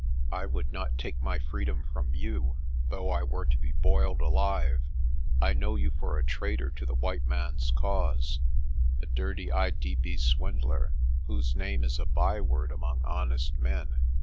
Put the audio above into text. I would not take my freedom from you, though I were to be boiled alive. I know you for a traitor to the white man's cause, a dirty I.D.B. swindler, whose name is a byword among honest men.